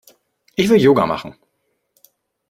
Ich will Yoga machen.